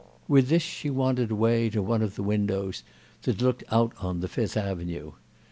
With this she wandered away to one of the windows that looked out on the Fifth Avenue.